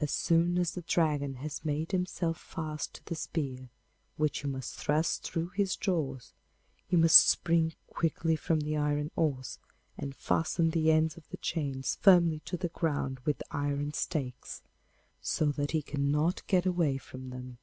As soon as the Dragon has made himself fast to the spear, which you must thrust through his jaws, you must spring quickly from the iron horse and fasten the ends of the chains firmly to the ground with iron stakes, so that he cannot get away from them.